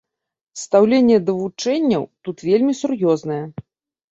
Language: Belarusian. Стаўленне да вучэнняў тут вельмі сур'ёзнае.